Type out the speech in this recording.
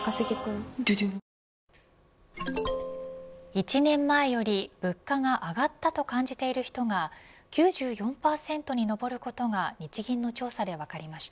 １年前より物価が上がったと感じている人が９４％に上ることが日銀の調査で分かりました。